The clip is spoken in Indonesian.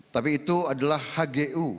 tapi itu adalah hgu